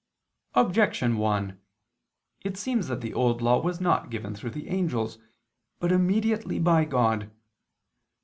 Objection 1: It seems that the Old Law was not given through the angels, but immediately by God.